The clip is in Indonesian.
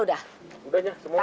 udah ya semua